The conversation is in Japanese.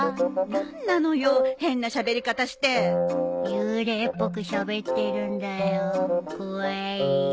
幽霊っぽくしゃべってるんだよ怖い？